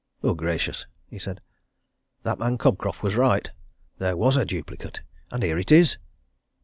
"Good gracious!" he said. "That man Cobcroft was right! There was a duplicate! And here it is!"